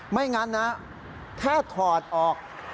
ไม่งั้นนะแค่ถอดออก